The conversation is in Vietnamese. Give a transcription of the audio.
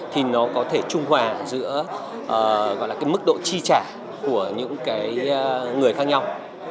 thì nó có thể trung hòa giữa mức độ chi trả của những người khác nhau